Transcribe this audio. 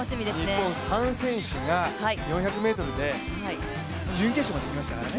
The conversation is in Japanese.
日本３選手が４００ｍで準決勝までいきましたからね。